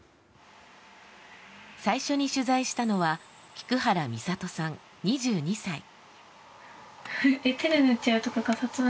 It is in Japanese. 最初に取材したのは菊原美里さん、２２歳。